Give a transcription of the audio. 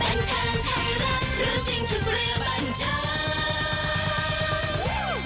บันเทิงไทยรัฐรู้จริงทุกเรื่องบันเทิง